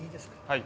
はい。